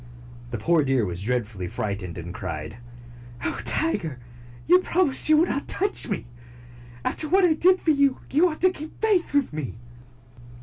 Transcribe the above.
The poor deer was dreadfully frightened, and cried, "Oh, Tiger, you promised me you would not touch me. After what I did for you, you ought to keep faith with me."